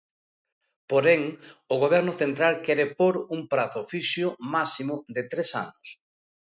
Porén, o Goberno central quere pór un prazo fixo máximo de tres anos.